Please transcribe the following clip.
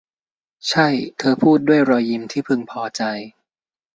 ใช่ เธอพูด ด้วยรอยยิ้มที่พึงพอใจ